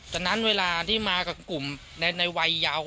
ตอนนั้นเวลาที่มากับกลุ่มในวัยยาว